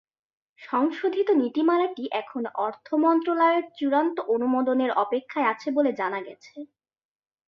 সংশোধিত নীতিমালাটি এখন অর্থ মন্ত্রণালয়ের চূড়ান্ত অনুমোদনের অপেক্ষায় আছে বলে জানা গেছে।